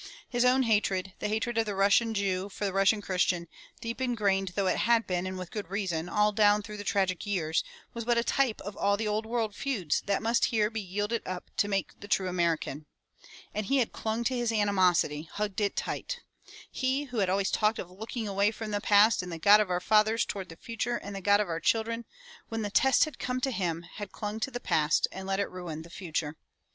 His own hatred, the hatred of Russian Jew for Russian Christian, deep grained though it had been and with good reason all down through the tragic years, was but a type of all the old world feuds that must here be yielded up to make the true Amer ican. And he had clung to his animosity, hugged it tight. He who had talked always of looking away from the past and the God of our fathers toward the future and the God of our children, when the test had come to him, had clung to the past and let it ruin the future.